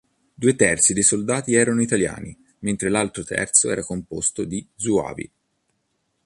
Due terzi dei soldati erano italiani, mente l'altro terzo era composto di Zuavi.